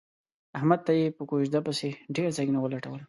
احمد ته یې په کوزده پسې ډېر ځایونه ولټول.